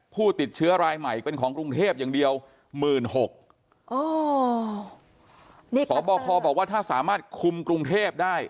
ผู้ติดเชื้อรายใหม่เป็นของกรุงเทพอย่างเดียว๑๖๐๐สบคบอกว่าถ้าสามารถคุมกรุงเทพได้